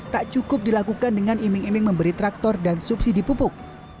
tak cukup dilakukan dengan iming iming memberi traktor dan subsidi pupuk